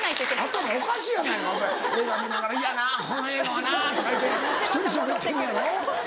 頭おかしいやないか映画見ながら「いやなこの映画はな」とか言うて１人でしゃべってんのやろ？